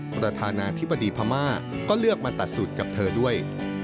ประธานาธิบดีพม่าก็เลือกมาตัดสูตรกับเธอด้วย